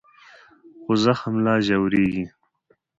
خو زخم لا ژورېږي.